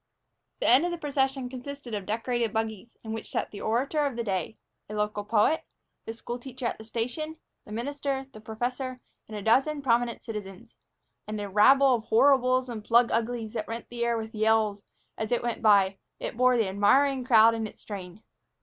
The end of the procession consisted of decorated buggies in which sat the orator of the day, a local poet, the school teacher at the station, the minister, the professor, and a dozen prominent citizens and a rabble of horribles and plug uglies that rent the air with yells; as it went by, it bore the admiring crowd in its train.